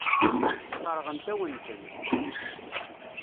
Sseṛɣent-awen-ten.